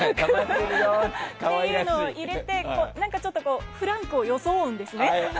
そういうのを入れてちょっとフランクを装うんですね。